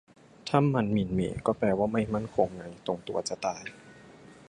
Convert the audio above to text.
ถ้ามัน หมิ่นเหม่ ก็แปลว่า ไม่มั่นคง ไง ตรงตัวจะตาย